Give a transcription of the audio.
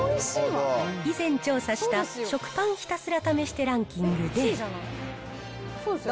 以前調査した食パンひたすら試してランキングで。